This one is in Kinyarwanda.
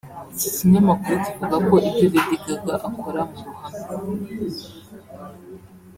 Iki kinyamakuru kivuga ko ibyo Lady Gaga akora mu ruhame